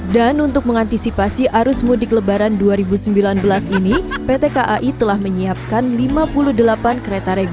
dan untuk mengantisipasi arus mudik lebaran dua ribu sembilan belas ini pt kai telah menyiapkan lima puluh delapan kereta regular dan tambahan dua puluh kereta tambahan per hari